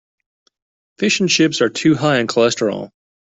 Fish and chips are too high in cholesterol.